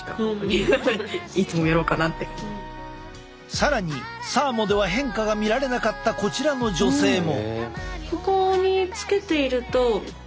更にサーモでは変化が見られなかったこちらの女性も。